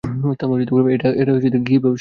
এটা কীভাবে সম্ভব?